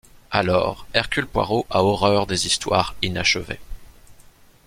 Alors, Hercule Poirot a horreur des histoires inachevées.